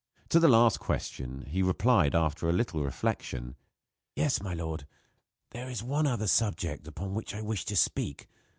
To the last question he replied, after a little reflection: "Yes, my lord, there is one other subject upon which I wish to speak.